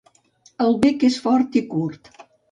El bec és fort i curt.